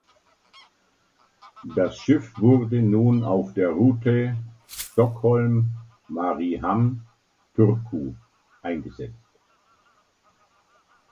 Das Schiff wurde nun auf der Route Stockholm—Mariehamn—Turku eingesetzt.